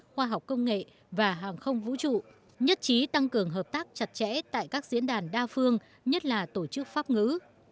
khoa học công nghệ và hàng không vũ trụ nhất trí tăng cường hợp tác chặt chẽ tại các diễn đàn đa phương nhất là tổ chức pháp ngữ